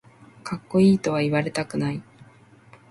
かっこいいとは言われたくない